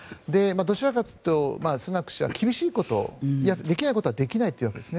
どちらかというとスナク氏は厳しいことできないことはできないというんです。